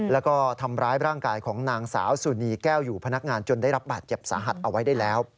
แล้วก็ทำร้ายร่างกายของนางสาวสุนีแก้วอยู่พนักงานจนได้รับบาดเจ็บสาหัสเอาไว้ได้แล้ว